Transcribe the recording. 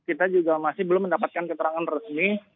kita juga masih belum mendapatkan keterangan resmi